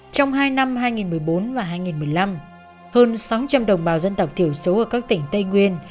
trong hai năm hai nghìn một mươi bốn và hai nghìn một mươi năm hơn sáu trăm linh đồng bào dân tộc thiểu số ở các tỉnh tây nguyên